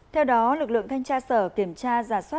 theo đó lực lượng thanh tra sở kiểm tra giả soát